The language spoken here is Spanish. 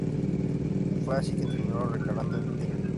Fue así que terminó recalando en Tigre.